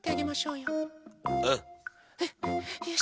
よし。